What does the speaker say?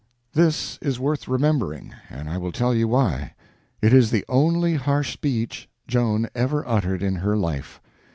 This is worth remembering, and I will tell you why: it is the only harsh speech Joan ever uttered in her life.